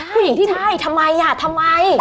ใช่ใช่ทำไมอ่ะทำไม